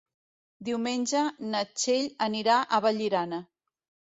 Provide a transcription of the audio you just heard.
Diumenge na Txell anirà a Vallirana.